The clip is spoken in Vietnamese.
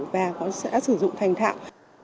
và sẽ sử dụng thành thạo